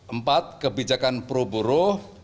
empat kebijakan pro buru